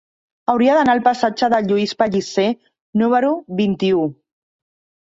Hauria d'anar al passatge de Lluís Pellicer número vint-i-u.